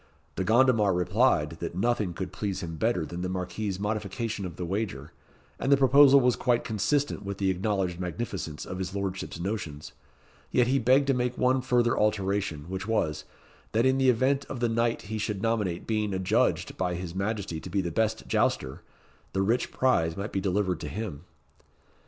De Gondomar replied, that nothing could please him better than the Marquis's modification of the wager, and the proposal was quite consistent with the acknowledged magnificence of his Lordship's notions; yet he begged to make one further alteration, which was, that in the event of the knight he should nominate being adjudged by his Majesty to be the best jouster, the rich prize might be delivered to him.